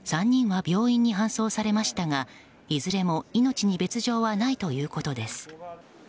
３人は病院に搬送されましたがいずれも命に別条はないということです。